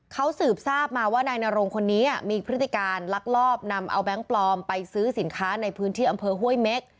เขาสืบทราบมาว่านายนรงคนนี้มีพฤติการลักลอบนำเอาแบงค์ปลอมไปซื้อสินค้าในพื้นที่อำเภอห้วยเม็ก